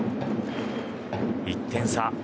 １点差。